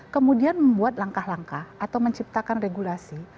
kemudian membuat langkah langkah atau menciptakan regulasi